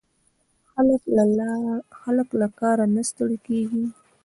هلک له کاره نه ستړی کېږي.